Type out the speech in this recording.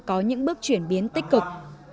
có những bước chuyển biến tích cực